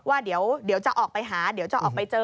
ว่าเดี๋ยวจะออกไปหาเดี๋ยวจะออกไปเจอ